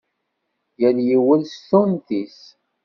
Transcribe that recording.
Yal yiwen s tunt-is.